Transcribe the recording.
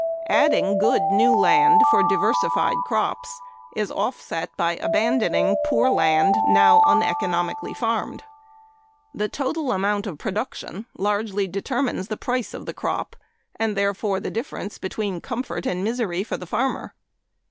Adding good new land for diversified crops is offset by abandoning poor land now uneconomically farmed. The total amount of production largely determines the price of the crop, and, therefore, the difference between comfort and misery for the farmer.